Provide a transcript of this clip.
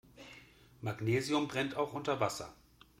Magnesium brennt auch unter Wasser.